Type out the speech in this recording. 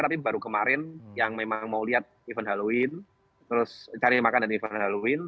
tapi baru kemarin yang memang mau lihat event halloween terus cari makan dari event halloween